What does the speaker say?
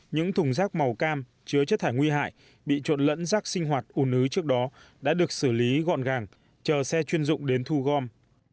những thùng rác màu cam chứa chất thải nguy hại bị trộn lẫn rác sinh hoạt ủ nứ trước đó đã được xử lý gọn gàng chờ xe chuyên dụng đến thu gom